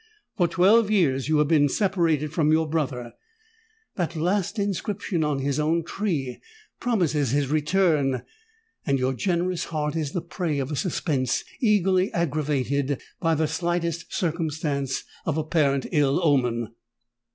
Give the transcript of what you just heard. For twelve years you have been separated from your brother—that last inscription on his own tree promises his return—and your generous heart is the prey of a suspense easily aggravated by the slightest circumstance of apparent ill omen."